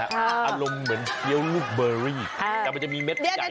อารมณ์เหมือนเคี้ยวลูกเบอรี่แต่มันจะมีเม็ดใหญ่